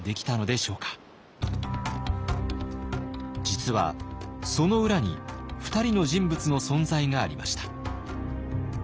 実はその裏に２人の人物の存在がありました。